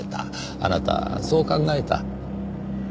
あなたはそう考えた。